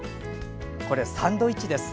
これ、サンドイッチです。